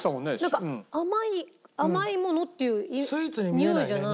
なんか甘い甘いものっていうにおいじゃない。